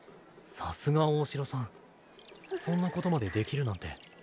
さすが大城さんそんなことまでできるなんて。